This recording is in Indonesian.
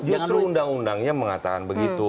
dia seluruh undang undangnya mengatakan begitu